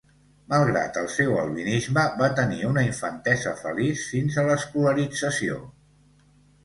Malgrat el seu albinisme, va tenir una infantesa feliç fins a l'escolarització.